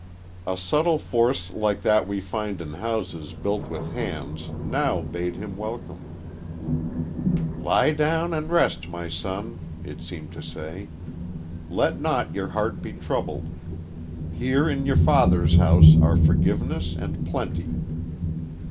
A subtle force like that we find in houses built with hands now bade him welcome. "Lie down and rest, my son," it seemed to say. "Let not your heart be troubled. Here in your Father's house are forgiveness and plenty."